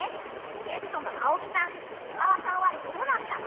ゲストの青木さん小川さんはどうなったの？